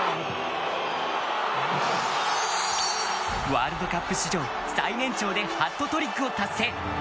ワールドカップ史上最年長でハットトリックを達成！